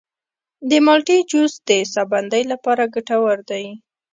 د مالټې جوس د ساه بندۍ لپاره ګټور دی.